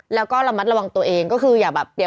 แล้วก็ระมัดระวังตัวเองก็คืออย่าไปเดือดร้อนคนอื่น